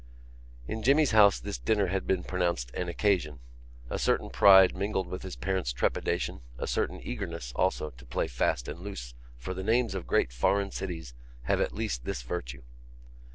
In Jimmy's house this dinner had been pronounced an occasion. A certain pride mingled with his parents' trepidation, a certain eagerness, also, to play fast and loose for the names of great foreign cities have at least this virtue.